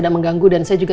wah geragas ya